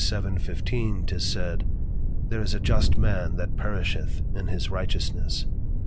7.15._ 'tis said, _There is a just man that perisheth in his Righteousness.